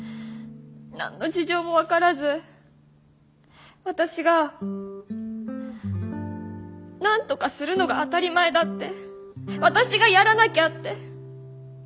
何の事情も分からず私がなんとかするのが当たり前だって私がやらなきゃって。